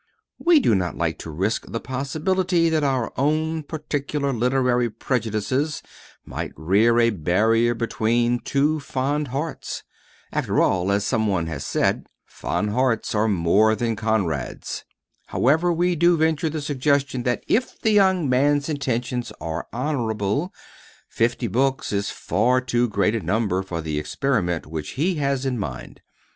We do not like to risk the possibility that our own particular literary prejudices might rear a barrier between two fond hearts. After all, as somebody has said, fond hearts are more than Conrads. However, we do venture the suggestion that if the young man's intentions are honorable, fifty books is far too great a number for the experiment which he has in mind.